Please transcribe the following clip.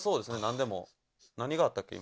何でも何があったっけ？